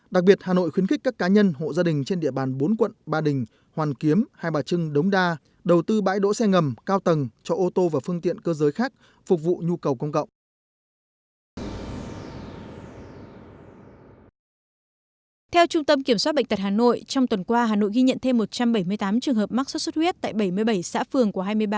đặc biệt hà nội khuyến khích các cá nhân hộ gia đình trên địa bàn bốn quận ba đỉnh hoàn kiếm hai bà trưng đống đa đầu tư bãi đỗ xe ngầm cao tầng cho ô tô và phương tiện cơ giới khác phục vụ nhu cầu công cộng